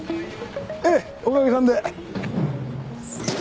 ええおかげさんで。